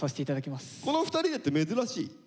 この２人でって珍しい？